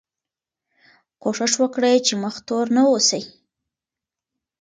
کوښښ وکړئ چې مخ تور نه اوسئ.